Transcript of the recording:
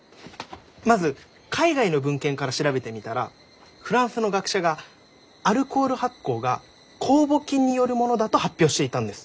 まず海外の文献から調べてみたらフランスの学者がアルコール発酵が酵母菌によるものだと発表していたんです。